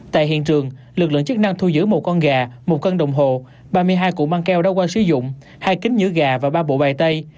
tại hiện trường lực lượng chức năng thu giữ một con gà một cân đồng hồ ba mươi hai cụ măng keo đã qua sử dụng hai kính giữ gà và ba bộ bày tay